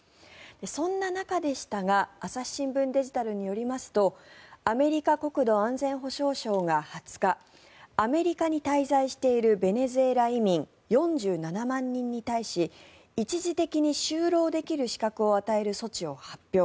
そんな中でしたが朝日新聞デジタルによりますとアメリカ国土安全保障省が２０日アメリカに滞在しているベネズエラ移民４７万人に対し一時的に就労できる資格を与える措置を発表。